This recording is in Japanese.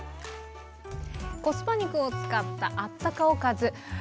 コスパ肉を使ったあったかおかず。